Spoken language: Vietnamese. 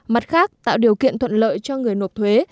mặt khác tạo điều kiện thuận lợi cho người nộp thuế